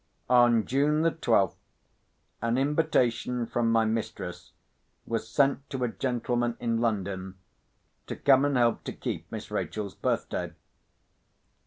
On June the twelfth, an invitation from my mistress was sent to a gentleman in London, to come and help to keep Miss Rachel's birthday.